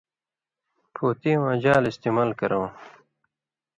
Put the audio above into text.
پُھوتی واں جال استعمال کرؤں۔